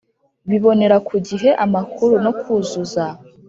bibonera ku gihe amakuru no kuzuza